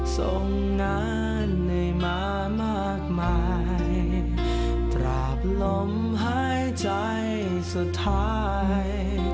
ส่งงานให้มามากมายตราบลมหายใจสุดท้าย